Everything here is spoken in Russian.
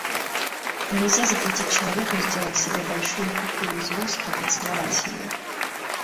Нельзя запретить человеку сделать себе большую куклу из воска и целовать ее.